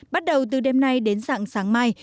bắt đầu từ đêm nay đến dặn sáng mai